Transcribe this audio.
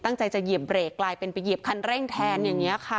ตั้งใจจะเหยียบเบรกกลายเป็นไปเหยียบคันเร่งแทนอย่างนี้ค่ะ